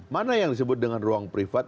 mana yang disebut dengan ruang privat